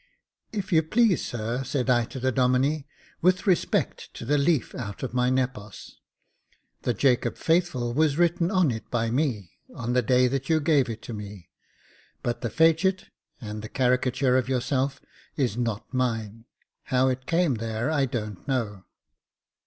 " If you please, sir," said I to the Domine, " with respect to the leaf out of my Nepos, the Jacob Faithful was written on it by me, on the day that you gave it to me ; but the fecit, and the caricature of yourself, is not mine. How it came there I don't know."